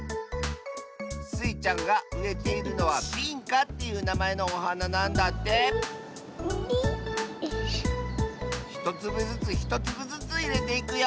スイちゃんがうえているのは「ビンカ」っていうなまえのおはななんだってひとつぶずつひとつぶずついれていくよ。